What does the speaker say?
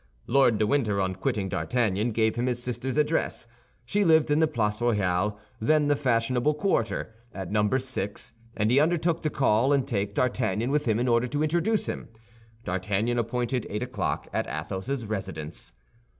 Lord de Winter, on quitting D'Artagnan, gave him his sister's address. She lived in the Place Royale—then the fashionable quarter—at Number 6, and he undertook to call and take D'Artagnan with him in order to introduce him. D'Artagnan appointed eight o'clock at Athos's residence.